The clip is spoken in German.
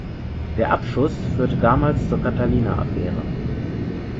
Der Abschuss führte damals zur Catalina-Affäre.